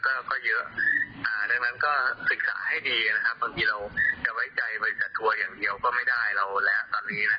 เพราะว่าเราใช้บริการเข้ามาหลายทิศเหมือนกันแล้วก็ไม่ได้มีปัญหาอะไร